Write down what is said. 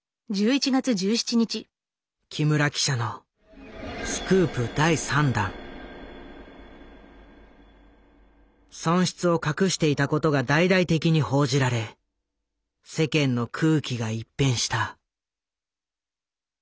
木村記者の損失を隠していたことが大々的に報じられ世間の空気が一変した。